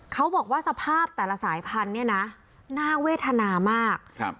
เขาบอกว่าสภาพแต่ละสายพันธุ์เนี้ยน่ะน่าเวทนามากครับ